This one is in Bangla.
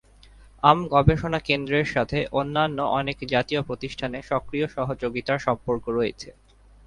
আম গবেষণা কেন্দ্রের সাথে অন্যান্য অনেক জাতীয় প্রতিষ্ঠানের সক্রিয় সহযোগিতার সম্পর্ক রয়েছে।